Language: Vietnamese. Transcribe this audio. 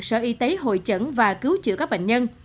sở y tế hội chẩn và cứu chữa các bệnh nhân